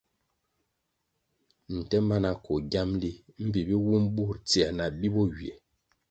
Nte mana koh giamli mbpi bi wum bur tsier na bi bo ywiè.